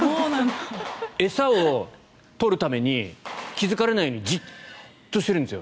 餌を取るために気付かれないようじっとしてるんですよ。